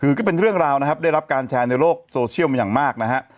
คือก็เป็นเรื่องราวนะครับได้รับการแชร์ในโลกโซเชียลมาอย่างมากนะฮะ